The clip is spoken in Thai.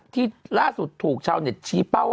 ที่ล่าสุดถูกชาวเน็ตชี้เป้าว่า